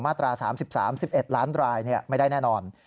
ตรา๓๓๑ล้านรายไม่ได้แน่นอน